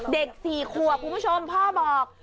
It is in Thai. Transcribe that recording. เด็กสี่ครัวคุณผู้ชมพ่อบอก